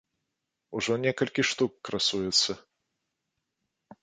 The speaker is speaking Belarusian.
Ужо некалькі штук красуецца.